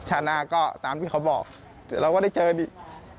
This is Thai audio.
ช่างหน้าก็ตามที่เขาบอกเดี๋ยวเราก็ได้เจอดี